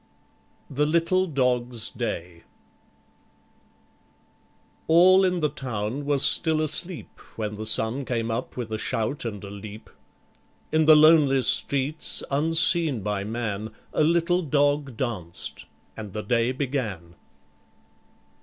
The Little Dog's Day All in the town were still asleep, When the sun came up with a shout and a leap. In the lonely streets unseen by man, A little dog danced. And the day began.